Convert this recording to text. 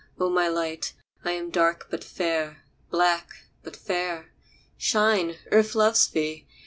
O my light, I am dark but fair, Black but fair. Shine, Earth loves thee!